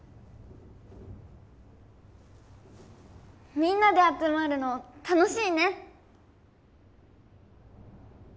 みんなであつまるの楽しいね。